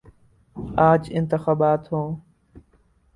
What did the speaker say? آج انتخابات ہوں۔